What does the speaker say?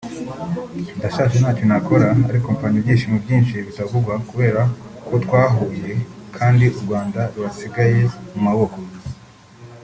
ndashaje ntacyo nakora ariko mpfanye ibyishimo byinshi bitavugwa kubera ko twahuye kandi u Rwanda rubasigaye mu maboko”